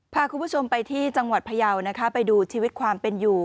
พาคุณผู้ชมไปที่จังหวัดพยาวนะคะไปดูชีวิตความเป็นอยู่